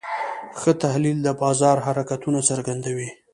ښه تحلیل د بازار حرکتونه څرګندوي.